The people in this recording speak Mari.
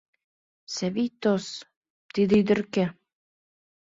Савий тос, тиде ӱдыр кӧ?